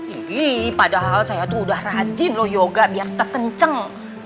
ih padahal saya tuh udah rajin loh yoga biar terkenceng